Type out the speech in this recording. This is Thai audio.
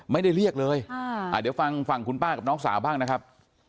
ไม่ได้เรียกเลยเดี๋ยวฟังฝั่งคุณป้ากับน้องสาวบ้างนะครับ